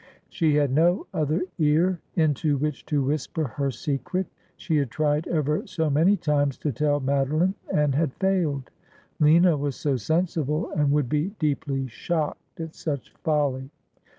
She had no other ear into which to whisper her secret. She had tried, ever so many times, to tell Madoline, and had failed. Lina was so sensible, and would be deeply shocked at such folly.